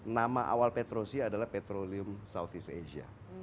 nama awal petrosi adalah petrolium southeast asia